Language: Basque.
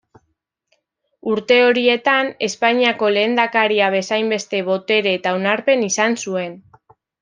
Urte horietan Espainiako lehendakaria bezainbeste botere eta onarpen izan zuen.